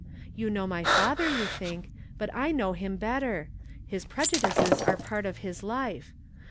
You know my father, you think; but I know him better. His prejudices are part of his life.